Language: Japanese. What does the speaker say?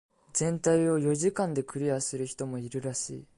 全体を四時間でクリアする人もいるらしい。